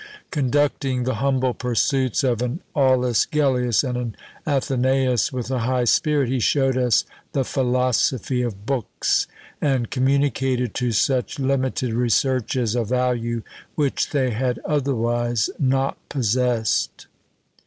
Conducting the humble pursuits of an Aulus Gellius and an AthenÃḊus with a high spirit, he showed us the philosophy of Books, and communicated to such limited researches a value which they had otherwise not possessed.